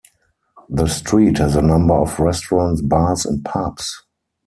The street has a number of restaurants, bars and pubs.